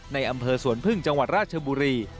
ในอำเภอสวนพึ่งจังหวัดราชบุรี